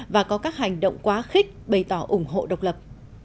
và có các hành động quá khích bày tỏ ủng hộ độc lập